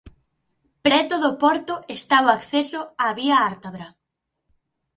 Preto do porto está o acceso á Vía ártabra.